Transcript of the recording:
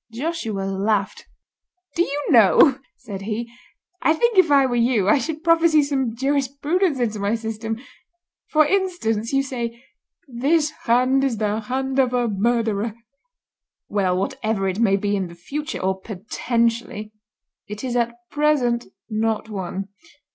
Joshua laughed. "Do you know," said he, "I think if I were you I should prophesy some jurisprudence into my system. For instance, you say 'this hand is the hand of a murderer.' Well, whatever it may be in the future—or potentially—it is at present not one.